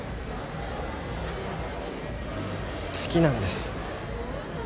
好きなんです。